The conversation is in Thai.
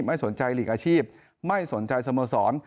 ไม่สนใจหลีกอาชีพไม่สนใจสโมสร